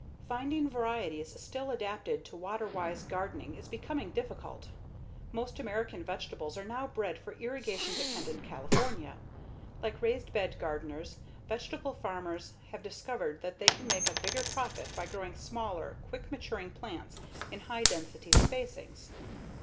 Finding varieties still adapted to water wise gardening is becoming difficult. Most American vegetables are now bred for irrigation dependent California. Like raised bed gardeners, vegetable farmers have discovered that they can make a bigger profit by growing smaller, quick maturing plants in high density spacings.